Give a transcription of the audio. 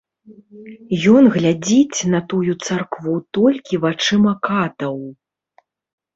Ён глядзіць на тую царкву толькі вачыма катаў.